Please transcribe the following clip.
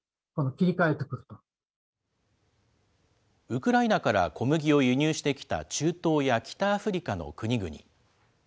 ウクライナから小麦を輸入してきた中東や北アフリカの国々。